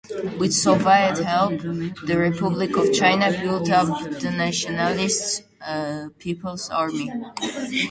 With Soviet help, the Republic of China built up the nationalist people's army.